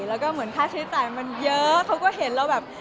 แล้วก็เหมือนค่าใช้จ่ายมันเยอะเขาก็เห็นเราแบบ